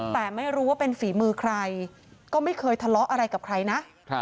แต่ไม่รู้ว่าเป็นฝีมือใครก็ไม่เคยทะเลาะอะไรกับใครนะ